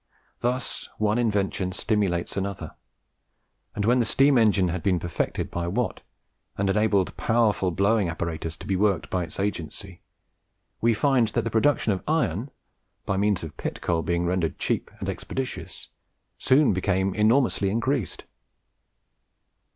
Thus one invention stimulates another; and when the steam engine had been perfected by Watt, and enabled powerful blowing apparatus to be worked by its agency, we shall find that the production of iron by means of pit coal being rendered cheap and expeditious, soon became enormously increased.